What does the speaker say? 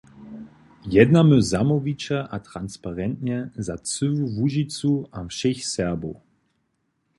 Jednamy zamołwiće a transparentnje za cyłu Łužicu a wšěch Serbow.